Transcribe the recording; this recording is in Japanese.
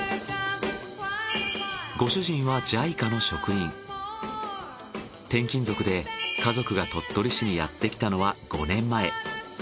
ご主人は転勤族で家族が鳥取市にやってきたのは５年前。